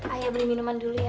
ayo beli minuman dulu ya